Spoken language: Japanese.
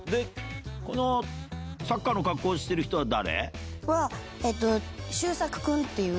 このサッカーの格好してる人は誰？